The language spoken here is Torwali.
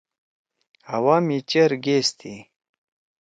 ہوا می چیر گیس تھی۔